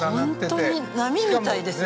本当に波みたいですね。